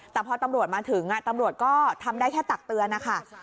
แต่พอตำรวจมาถึงตำรวจก็ทำได้แค่ตักเตือนนะคะ